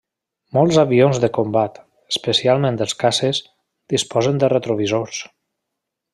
Molts avions de combat, especialment els caces, disposen de retrovisors.